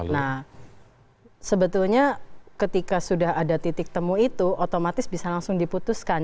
nah sebetulnya ketika sudah ada titik temu itu otomatis bisa langsung diputuskan